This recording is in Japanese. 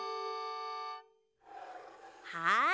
はい。